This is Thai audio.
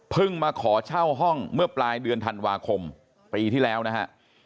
มาขอเช่าห้องเมื่อปลายเดือนธันวาคมปีที่แล้วนะฮะ